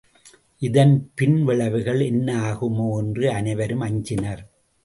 இதன் பின் விளைவுகள் என்ன ஆகுமோ என்று அனைவரும் அஞ்சினர்.